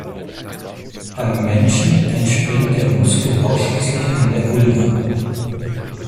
Beim Menschen entspringt der Muskel ausschließlich an der Ulna.